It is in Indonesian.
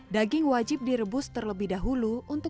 daging wajib direbus terlebih dahulu untuk